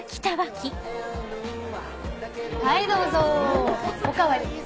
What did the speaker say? はいどうぞお代わり。